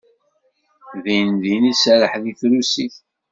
Dindin iserreḥ deg trusit.